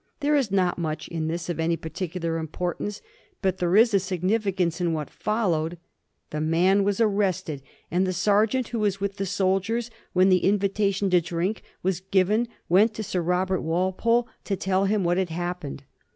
There is not much in this of any particular importance; but there is significance in what followed. The man was arrested, and the sergeant who was with the soldiers when the invitation to drink was given went to Sir Robert Walpole to tell him what had happened.